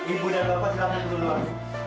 ibu dan bapak silahkan keluar